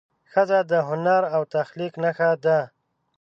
ښځه د هنر او تخلیق نښه ده.